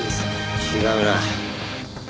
違うな。